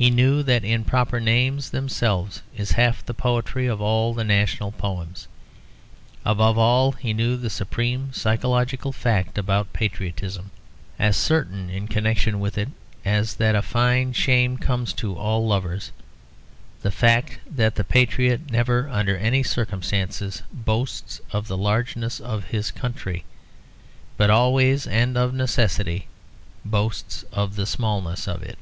He knew that in proper names themselves is half the poetry of all national poems. Above all, he knew the supreme psychological fact about patriotism, as certain in connection with it as that a fine shame comes to all lovers, the fact that the patriot never under any circumstances boasts of the largeness of his country, but always, and of necessity, boasts of the smallness of it.